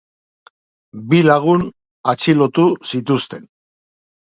Bi lagun atxilotu zituzten.